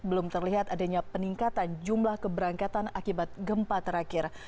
belum terlihat adanya peningkatan jumlah keberangkatan akibat gempa terakhir